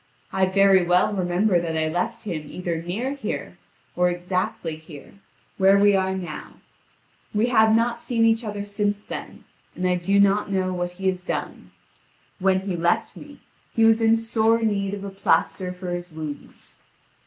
I very well remember that I left him either near here, or exactly here, where we are now; we have not seen each other since then, and I do not know what he has done. When he left me, he was in sore need of a plaster for his wounds.